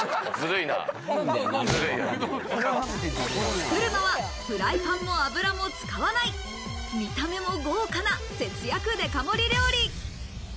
作るのはフライパンも油も使わない見た目も豪華な節約デカ盛り料理。